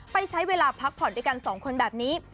ไปใช้เวลาพักผ่อนด้วยกันสองคนแบบนี้